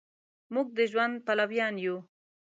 مونږ د ژوند پلویان یو